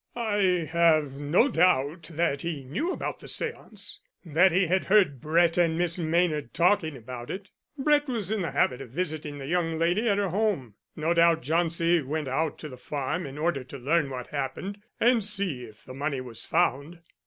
"I have no doubt that he knew about the séance that he had heard Brett and Miss Maynard talking about it. Brett was in the habit of visiting the young lady at her home. No doubt Jauncey went out to the farm in order to learn what happened, and see if the money was found."